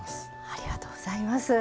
ありがとうございます。